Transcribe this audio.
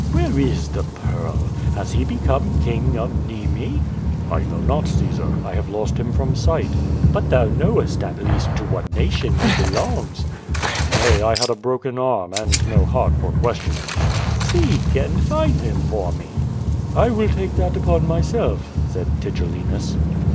"Where is the pearl? Has he become King of Nemi?" "I know not, Caesar. I have lost him from sight." "But thou knowest at least to what nation he belongs?" "Nay, I had a broken arm, and no heart for questioning." "Seek, and find him for me." "I will take that upon myself," said Tigellinus.